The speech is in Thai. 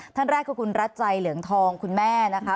ท่านแรกคือคุณรัชัยเหลืองทองคุณแม่นะคะ